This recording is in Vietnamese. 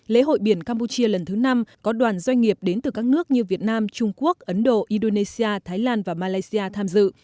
lễ hội biển campuchia lần thứ năm có đoàn doanh nghiệp đến từ các nước như việt nam trung quốc ấn độ indonesia thái lan và malaysia tham dự